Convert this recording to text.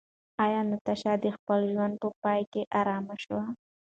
ایا ناتاشا د خپل ژوند په پای کې ارامه شوه؟